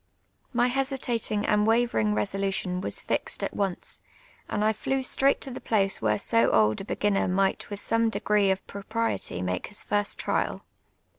My hositatinjT and waverin<? resolution was fixed at once, and I flew straight to the place Avhere so old a beginner might with some degi*ec of proi)riety make his first trial.